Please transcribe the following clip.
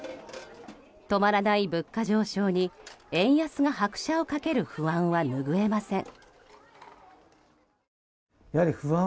止まらない物価上昇に円安が拍車を掛ける不安は拭えません。